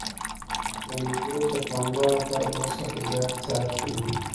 یانې اوس د پانګوال لپاره دوه ساعته زیات کار کوي